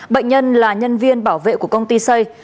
bệnh nhân là nhân viên bảo vệ của công ty xây